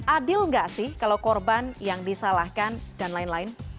adil nggak sih kalau korban yang disalahkan dan lain lain